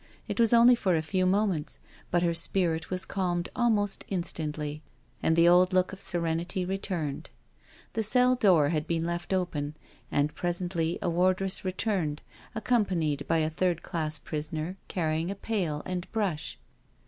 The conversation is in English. It was only for a few moments, but her spirit was calmed almost instantly, and the old look of serenity returned. The cell door had been left open, and pre sently a wardress returned accompanied by a third class prisoner carrying a pail and brush.